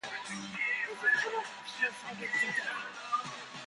If this is correct, the site is in Judea.